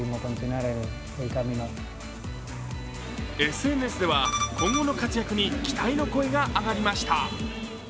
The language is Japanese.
ＳＮＳでは今後の活躍に期待の声が上がりました。